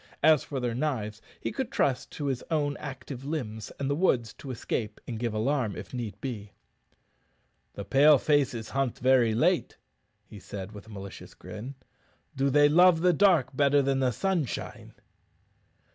As for their knives, he could trust to his own active limbs and the woods to escape and give the alarm if need be. "The Pale faces hunt very late," he said, with a malicious grin. "Do they love the dark better than the sunshine?"